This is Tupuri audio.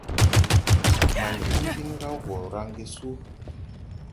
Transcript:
Man tiŋ ɓin raw gɔ raŋge su.